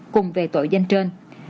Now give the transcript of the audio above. cùng về tội danh trên